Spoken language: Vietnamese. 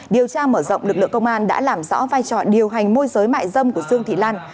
điều tra mở rộng lực lượng công an đã làm rõ vai trò điều hành môi giới mại dâm của dương thị lan